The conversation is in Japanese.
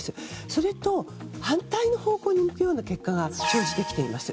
それと反対の方向に向くような結果が生じてきています。